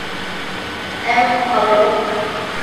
Ew arode bûn.